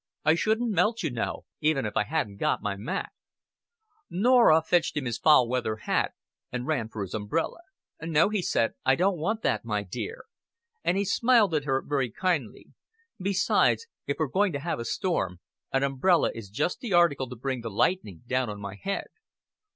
I shouldn't melt, you know, even if I hadn't got my mack." Norah fetched him his foul weather hat, and ran for his umbrella. "No," he said, "I don't want that, my dear;" and he smiled at her very kindly. "Besides, if we're going to have a storm, an umbrella is just the article to bring the lightning down on my head."